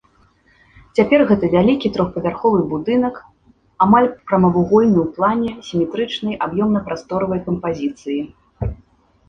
Цяпер гэта вялікі трохпавярховы будынак, амаль прамавугольны ў плане, сіметрычнай аб'ёмна-прасторавай кампазіцыі.